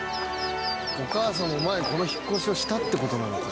お母さんも前この引っ越しをしたって事なのか。